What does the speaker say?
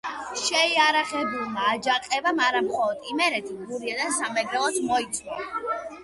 შეიარაღებულმა აჯანყებამ არა მხოლოდ იმერეთი, გურია და სამეგრელოც მოიცვა.